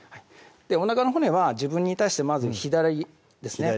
おなかの骨は自分に対してまず左ですね